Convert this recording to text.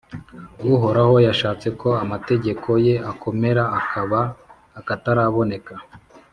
Uhoraho yashatse ko amategeko ye akomera, akaba akataraboneka.